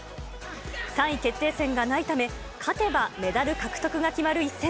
３位決定戦がないため、勝てばメダル獲得が決まる一戦。